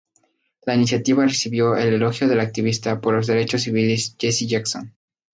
La iniciativa recibió el elogio del activista por los derechos civiles, Jesse Jackson.